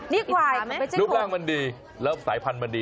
นี่ควายรูปร่างมันดีแล้วสายพันธุ์มันดี